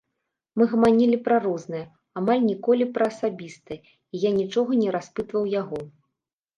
Мы гаманілі пра рознае, амаль ніколі пра асабістае і я нічога не распытваў яго.